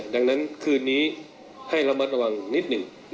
ดังนั้นคืนนี้ให้ระมัดระวังนิดหนึ่ง